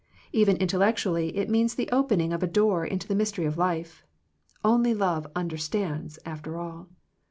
Even intellectually it means the opening of a door into the mystery of life. Only love understands after all.